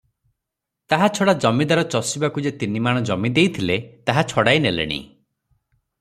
ତାହା ଛଡ଼ା ଜମିଦାର ଚଷିବାକୁ ଯେ ତିନିମାଣ ଜମି ଦେଇଥିଲେ, ତାହା ଛଡ଼ାଇ ନେଲେଣି ।